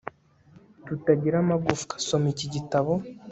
tutagira amagufwa Soma iki gitabo